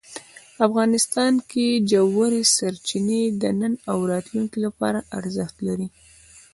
افغانستان کې ژورې سرچینې د نن او راتلونکي لپاره ارزښت لري.